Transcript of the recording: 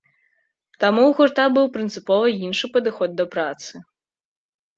Таму ў гурта быў прынцыпова іншы падыход да працы.